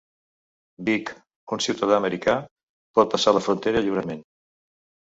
Vic, un ciutadà americà, pot passar la frontera lliurement.